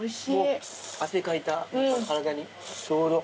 汗かいた体にちょうど。